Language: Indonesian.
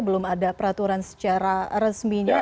belum ada peraturan secara resminya